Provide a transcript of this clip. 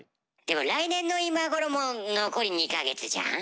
でも来年の今頃も残り２か月じゃん？